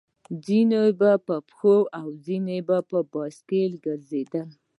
ځينې به په پښو او ځينې پر بایسکلونو ګرځېدل.